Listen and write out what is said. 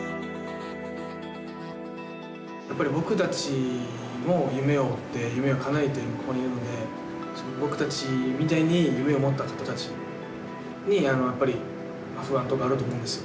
やっぱり僕たちも夢を追って夢をかなえてここにいるので僕たちみたいに夢を持った方たちにやっぱり不安とかあると思うんですよ。